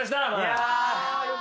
いや。